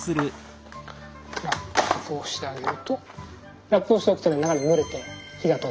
ラップをしてあげるとラップをしとくとね中で蒸れて火が通る。